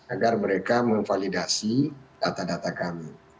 agar mereka memvalidasi data data kami